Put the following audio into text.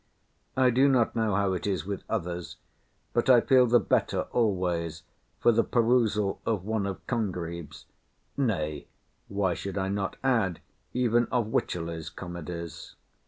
I do not know how it is with others, but I feel the better always for the perusal of one of Congreve's—nay, why should I not add even of Wycherley's—comedies.